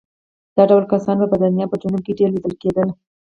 دا ډول کسان په برېټانیا په جنوب کې ډېر لیدل کېدل.